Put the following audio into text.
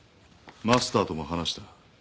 マスターとも話した。